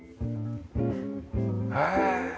へえ。